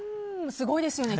すごいですね。